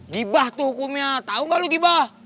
gibah tuh hukumnya tahu gak lu gibah